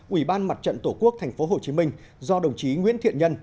ủy ban mặt trận tổ quốc tp hcm do đồng chí nguyễn thiện nhân